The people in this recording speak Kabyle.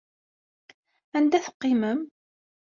Anda teqqimem?